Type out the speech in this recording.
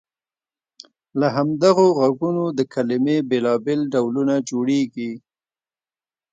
له همدغو غږونو د کلمې بېلابېل ډولونه جوړیږي.